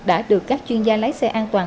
đã được các chuyên gia lái xe an toàn